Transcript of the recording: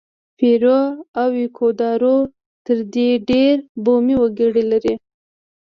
پیرو او ایکوادور تر دې ډېر بومي وګړي لري.